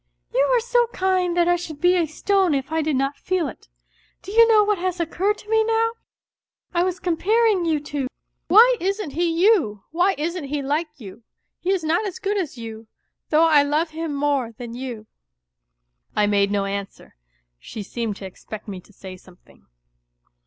" You are so kind that I should be a stone if I did not feel it. Do you know what has occurred to me now ? I was comparing you two. Why isn't he you ?_ good as you, though I love him more than you." I made no answer. Sli^e^m?3!^^e^pe^rT3erfo say something.